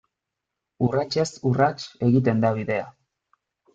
Urratsez urrats egiten da bidea.